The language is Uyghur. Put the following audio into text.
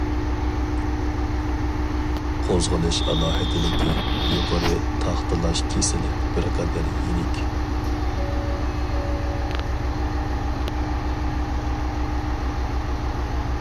قوزغىلىش ئالاھىدىلىكى : يۇقىرى تاختىلاش كېسىلى بىر قەدەر يېنىك.